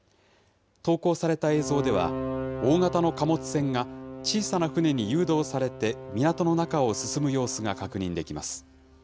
投稿された映像では、大型の貨物船が小さな船に誘導されて、港の中を進む様子が確認できます。